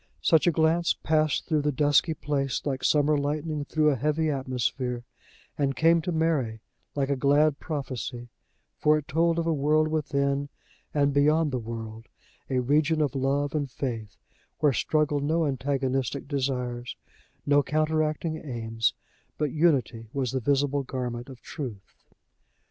Such a glance passed through the dusky place like summer lightning through a heavy atmosphere, and came to Mary like a glad prophecy; for it told of a world within and beyond the world, a region of love and faith, where struggled no antagonistic desires, no counteracting aims, but unity was the visible garment of truth.